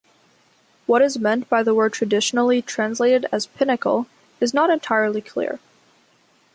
What is meant by the word traditionally translated as "pinnacle" is not entirely clear.